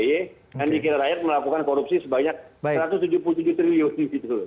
yang dikira kira melakukan korupsi sebanyak satu ratus tujuh puluh tujuh triliun gitu loh